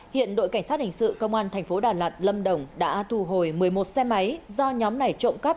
hiện đội cảnh sát hình sự công an thành phố đà lạt lâm đồng đã thu hồi một mươi một xe máy do nhóm này trộm cắp